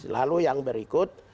lalu yang berikut